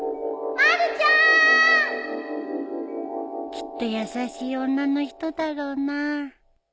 きっと優しい女の人だろうな